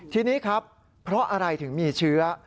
ทีนี้ครับเพราะอะไรถึงมีเชื้อ